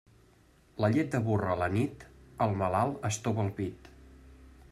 La llet de burra a la nit, al malalt estova el pit.